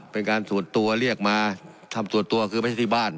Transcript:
เป็นการส่วนตัวเรียกมาทำส่วนตัวคือไม่ใช่ที่บ้าน